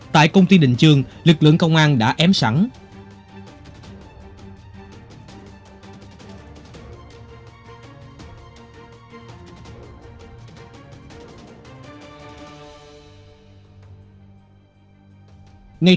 tại công ty đình tây